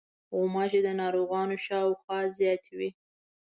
غوماشې د ناروغانو شاوخوا زیاتې وي.